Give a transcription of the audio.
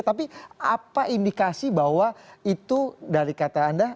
tapi apa indikasi bahwa itu dari kata anda